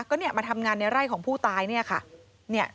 ก็เนี่ยมาทำงานในไร่ของผู้ตายเนี่ยค่ะ